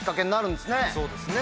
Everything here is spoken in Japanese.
そうですね。